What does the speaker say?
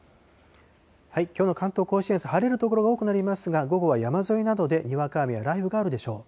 きょうの関東甲信越、晴れる所が多くなりますが、午後は山沿いなどでにわか雨や雷雨があるでしょう。